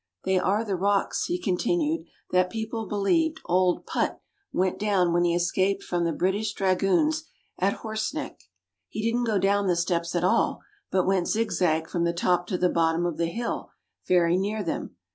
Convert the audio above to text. They are the rocks," he continued, "that people believed 'Old Put' went down when he escaped from the British dragoons at Horseneck. He didn't go down the steps at all, but went zigzag from the top to the bottom of the hill, very near them.